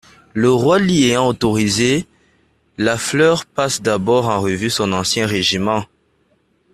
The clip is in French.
Le roi l'y ayant autorisé, La Fleur passe d'abord en revue son ancien régiment.